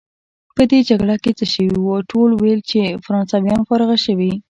په دې جګړه کې څه شوي وو؟ ټولو ویل چې فرانسویان فارغه شوي.